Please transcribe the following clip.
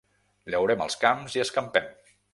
Llaurem els camps i escampem.